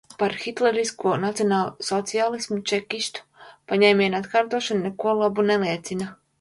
Par Hitlerisko nacionālsociālismu, čekistu paņēmienu atkārtošana, neko labu neliecina.